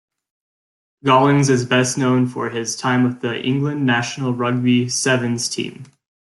Gollings is best known for his time with the England national rugby sevens team.